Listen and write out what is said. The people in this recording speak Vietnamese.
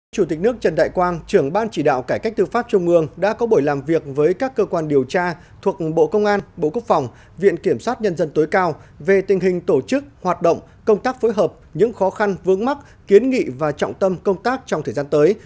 chủ tịch nước trần đại quang trưởng ban chỉ đạo cải cách tư pháp trung ương đã có buổi làm việc với các cơ quan điều tra thuộc bộ công an bộ quốc phòng viện kiểm sát nhân dân tối cao về tình hình tổ chức hoạt động công tác phối hợp những khó khăn vướng mắt kiến nghị và trọng tâm công tác trong thời gian tới